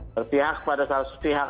berpihak pada salah satu pihak